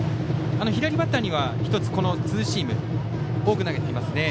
左バッターには１つ、ツーシームを多く投げてきますね。